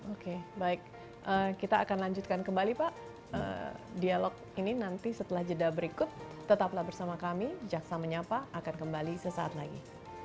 oke baik kita akan lanjutkan kembali pak dialog ini nanti setelah jeda berikut tetaplah bersama kami jaksa menyapa akan kembali sesaat lagi